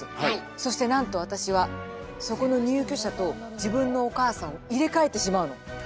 そしてなんと私はそこの入居者と自分のお母さんを入れ替えてしまうの！